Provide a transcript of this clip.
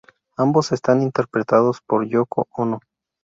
Ambos están interpretados por Yōko Ono.